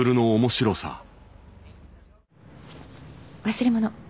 忘れ物。